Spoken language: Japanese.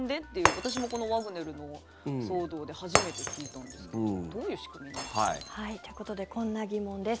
私もこのワグネルの騒動で初めて聞いたんですけどどういう仕組みなんですか？ということでこんな疑問です。